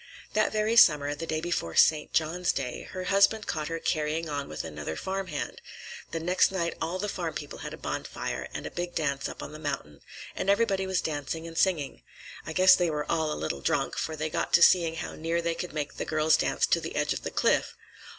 That very summer, the day before St. John's Day, her husband caught her carrying on with another farm hand. The next night all the farm people had a bonfire and a big dance up on the mountain, and everybody was dancing and singing. I guess they were all a little drunk, for they got to seeing how near they could make the girls dance to the edge of the cliff.